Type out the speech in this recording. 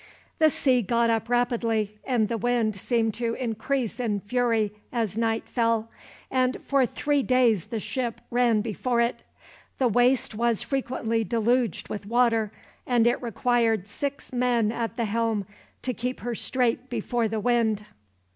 The sea got up rapidly, and the wind seemed to increase in fury as night fell, and for three days the ship ran before it. The waist was frequently deluged with water, and it required six men at the helm to keep her straight before the wind.